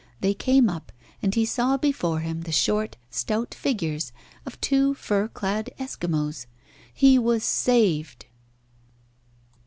They came up, and he saw before him the short, stout figures of two fur clad Eskimos. He was saved.